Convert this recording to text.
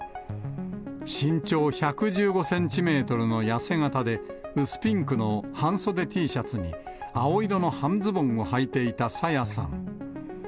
身長１１５センチメートルの痩せ形で、薄ピンクの半袖Ｔシャツに、青色の半ズボンをはいていた朝芽さん。